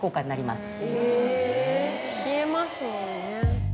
冷えますもんね。